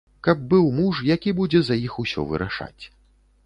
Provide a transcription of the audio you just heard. Каб быў муж, які будзе за іх усё вырашаць.